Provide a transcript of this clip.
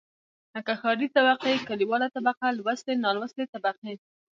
لکه ښاري طبقې، کليواله طبقه لوستې، نالوستې طبقې.